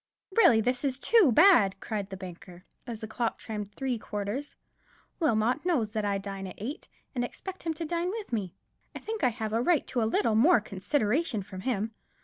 "Really this is too bad," cried the banker, as the clock chimed the three quarters; "Wilmot knows that I dine at eight, and that I expect him to dine with me. I think I have a right to a little more consideration from him.